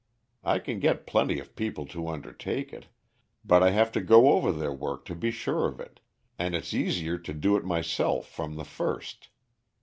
I can get plenty of people to undertake it, but I have to go over their work to be sure of it, and it's easier to do it myself from the first.